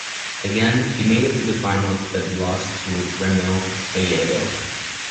Again, he made it to the finals but lost to Ramil Gallego.